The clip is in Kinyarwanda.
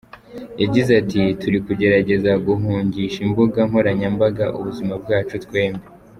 Yagize ati "Turi kugerageza guhungisha imbuga nkoranyambaga ubuzima bwacu twembi.